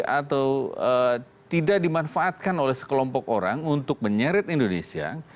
atau tidak dimanfaatkan oleh sekelompok orang untuk menyeret indonesia